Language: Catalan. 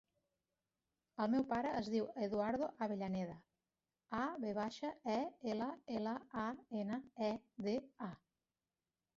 El meu pare es diu Eduardo Avellaneda: a, ve baixa, e, ela, ela, a, ena, e, de, a.